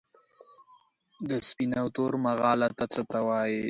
د سپین او تور مغالطه څه ته وايي؟